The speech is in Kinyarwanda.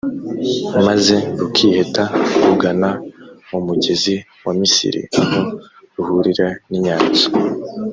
maze rukiheta rugana mu mugezi wa misiri, aho ruhurira n’inyanja.